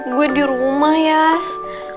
gue di rumah yas